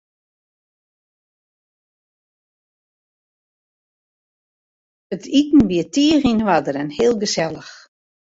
It iten wie tige yn oarder en heel gesellich.